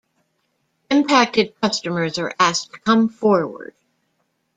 Impacted customers are asked to come forward.